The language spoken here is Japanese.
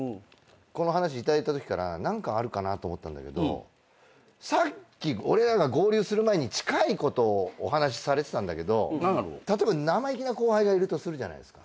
この話頂いたときから何かあるかなと思ったんだけどさっき俺らが合流する前に近いことをお話しされてたんだけど例えば生意気な後輩がいるとするじゃないですか。